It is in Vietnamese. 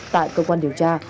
tại cơ quan điều tra